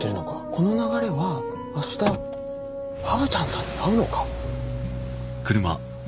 この流れはあしたわぶちゃんさんに会うのか？